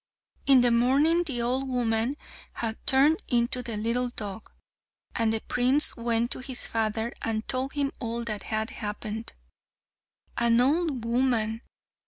In the morning the old woman had turned into the little dog, and the prince went to his father and told him all that had happened. "An old woman!